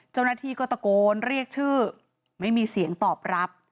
เจ้าหน้าที่ก็ตะโกนเรียกชื่อไม่มีเสียงตอบรับ